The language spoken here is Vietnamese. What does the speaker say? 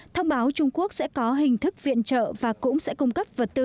thông báo trung quốc sẽ có hình thức viện trợ và cũng sẽ cung cấp vật tư